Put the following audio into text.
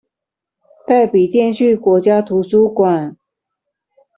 帶筆電去國家圖書館